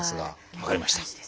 分かりました。